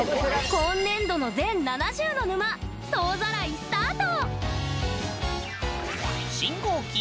今年度の全７０の沼総ざらいスタート。